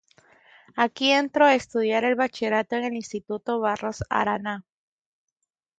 Aquí entró a estudiar el bachillerato en el Instituto Barros Arana.